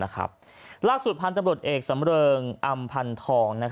ล่าสุดพันธุ์ตำรวจเอกสำเริงอำพันธอง